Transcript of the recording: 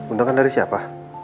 undangan dari siapa